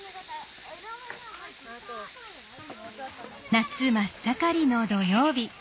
夏真っ盛りの土曜日。